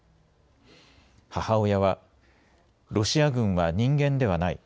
母親は、ロシア軍は人間ではない。